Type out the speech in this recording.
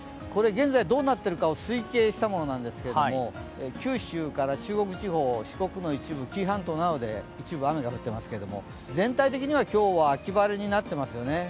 現在、どうなっているかを推計したものなんですけれども九州から中国地方、四国の一部、紀伊半島などで一部雨が降っていますけれども、全体的には今日は秋晴れになってますよね。